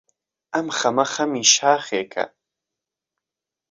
ئەم خەمە خەمی شاخێکە،